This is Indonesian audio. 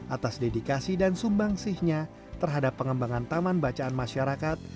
atas dedikasi dan sumbangsihnya terhadap pengembangan taman bacaan masyarakat